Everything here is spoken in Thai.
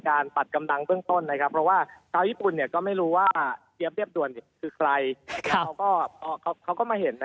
กลุ่มแห่งเสื้อชุดชอบประโยชน์